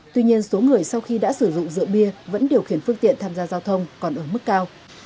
tuy nhiên số người sau khi đã sử dụng rượu bia vẫn điều khiển phương tiện tham gia giao thông còn ở mức cao